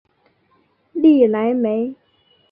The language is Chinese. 利莱梅。